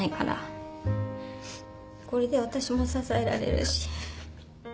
これで私も支えられるし。